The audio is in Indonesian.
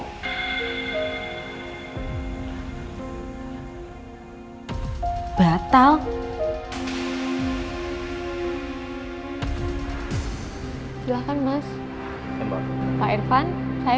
makanya kamu itu jangan pikiran aneh aneh